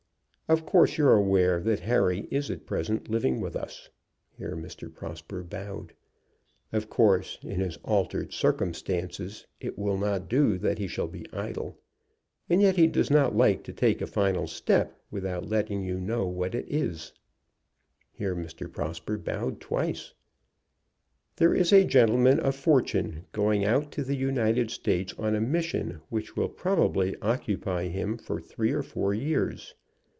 "Of course you're aware that Harry is at present living with us." Here Mr. Prosper bowed. "Of course, in his altered circumstances, it will not do that he shall be idle, and yet he does not like to take a final step without letting you know what it is." Here Mr. Prosper bowed twice. "There is a gentleman of fortune going out to the United States on a mission which will probably occupy him for three or four years.